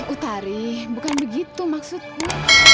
utari bukan begitu maksudku